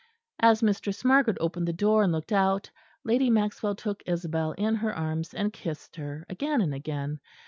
As Mistress Margaret opened the door and looked out, Lady Maxwell took Isabel in her arms and kissed her again and again.